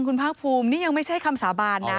คุณภาคภูมินี่ยังไม่ใช่คำสาบานนะ